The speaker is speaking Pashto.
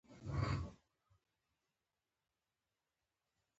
مړی په خاوره کې ښخ شو.